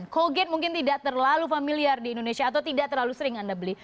call gate mungkin tidak terlalu familiar di indonesia atau tidak terlalu sering anda beli